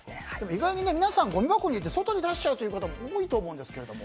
意外に皆さん、ごみ箱に入れて外に出しちゃうという方も多いと思うんですが。